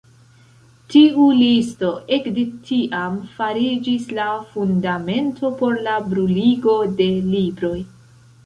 Tiu listo ekde tiam fariĝis la fundamento por la bruligo de libroj.